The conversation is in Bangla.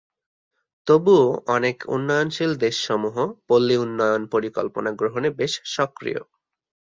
তবুও অনেক উন্নয়নশীল দেশসমূহ পল্লী উন্নয়ন পরিকল্পনা গ্রহণে বেশ সক্রিয়।